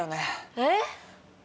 えっ？